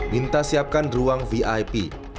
minta siapkan ruang vip